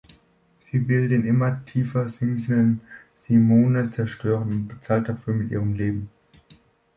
Sie will den immer tiefer sinkenden Simone zerstören und bezahlt dafür mit ihrem Leben.